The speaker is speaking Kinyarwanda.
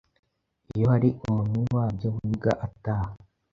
Iyo hari umunywi wabyo wiga ataha,